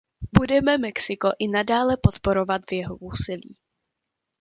Budeme Mexiko i nadále podporovat v jeho úsilí.